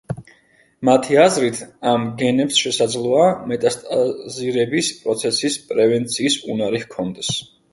მათი აზრით, ამ გენებს შესაძლოა, მეტასტაზირების პროცესის პრევენციის უნარი ჰქონდეს.